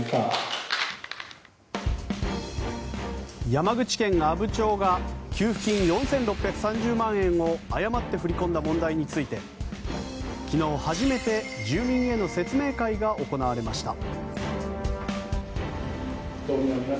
山口県阿武町が給付金４６３０万円を誤って振り込んだ問題について昨日初めて住民への説明会が行われました。